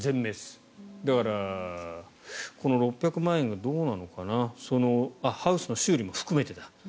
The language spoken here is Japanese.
だからこの６００万円はどうなのかなハウスの修理も含めてだ。